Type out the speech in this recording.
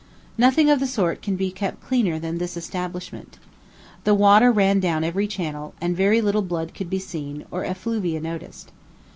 Nothing of the sort can be kept cleaner than this establishment. The water ran down every channel, and very little blood could be seen, or effluvia noticed.